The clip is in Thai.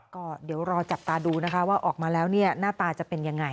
ก็เดี๋ยวรอจับตาดูนะคะว่าออกมาแล้วเนี่ยหน้าตาจะเป็นยังไง